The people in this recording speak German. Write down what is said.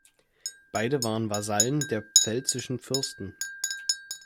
Beide waren Vasallen der pfälzischen Fürsten.